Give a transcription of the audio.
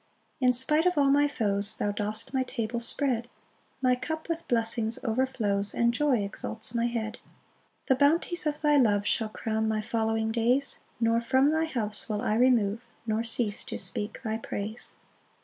5 In spite of all my foes, Thou dost my table spread, My cup with blessings overflows, And joy exalts my head. 6 The bounties of thy love Shall crown my following days; Nor from thy house will I remove, Nor cease to speak thy praise.